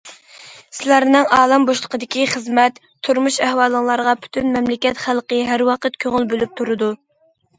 سىلەرنىڭ ئالەم بوشلۇقىدىكى خىزمەت، تۇرمۇش ئەھۋالىڭلارغا پۈتۈن مەملىكەت خەلقى ھەر ۋاقىت كۆڭۈل بۆلۈپ تۇرىدۇ.